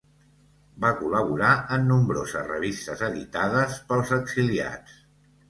Va col·laborar en nombroses revistes editades pels exiliats.